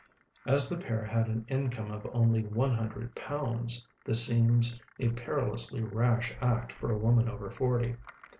As the pair had an income of only one hundred pounds, this seems a perilously rash act for a woman over forty.